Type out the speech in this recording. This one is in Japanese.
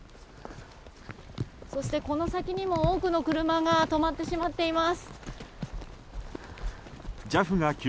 そしてこの先にも多くの車が止まってしまっています。